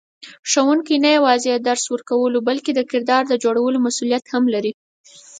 ښوونکی نه یوازې د درس ورکولو بلکې د کردار جوړولو مسئولیت هم لري.